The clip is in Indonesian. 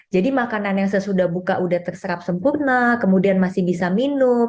jadi makanan yang sudah buka sudah terserap sempurna kemudian masih bisa minum